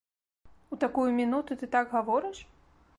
У такую мінуту ты так гаворыш?